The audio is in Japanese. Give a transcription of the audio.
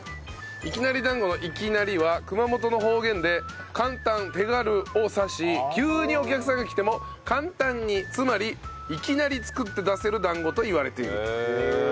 いきなり団子の「いきなり」は熊本の方言で簡単手軽を指し急にお客さんが来ても簡単につまりいきなり作って出せる団子といわれていると。